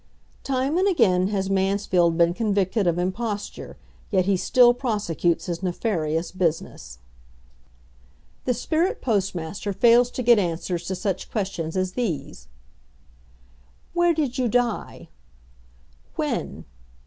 Time and again has Mansfield been convicted of imposture, yet he still prosecutes his nefarious business. The "Spirit Postmaster" fails to get answers to such questions as these: "Where did you die?" "When?"